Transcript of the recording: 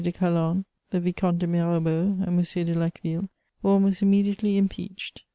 de Calonne, the Vicomte de Mirabeau, and M. de Laqueville were almost immediately impeached.